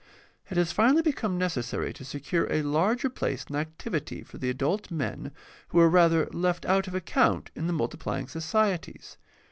It has finally become necessary to secure a larger place and activity for the adult men, who were rather left out of account in the multiplying societies.